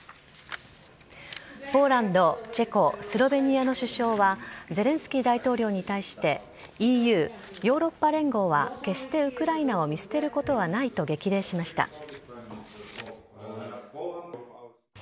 ポーランド、チェコ、スロベニアの首相は、ゼレンスキー大統領に対して、ＥＵ・ヨーロッパ連合は決してウクライナを見捨てることはないと激励しました。